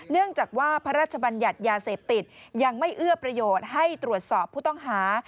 เนื่องจากว่าพระราชบัญญัติยาเสพติดยังไม่เอื้อประโยชน์ให้ตรวจสอบผู้ต้องหา